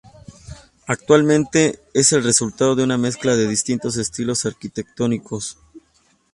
Actualmente es el resultado de una mezcla de distintos estilos arquitectónicos.